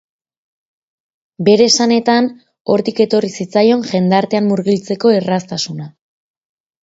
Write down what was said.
Bere esanetan, hortik etorri zitzaion jendartean murgiltzeko erraztasuna.